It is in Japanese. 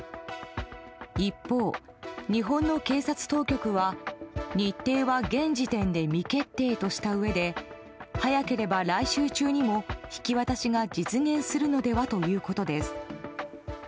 一方、日本の警察当局は日程は現時点で未決定としたうえで早ければ来週中にも引き渡しが実現するのではということです。